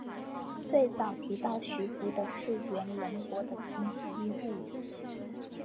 最早提到徐福的是源隆国的今昔物语。